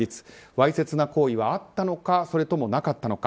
わいせつな行為はあったのかそれともなかったのか。